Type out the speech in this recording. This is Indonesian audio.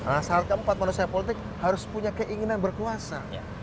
nah syarat keempat manusia politik harus punya keinginan berkuasa